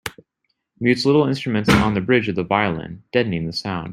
Mutes little instruments on the bridge of the violin, deadening the sound.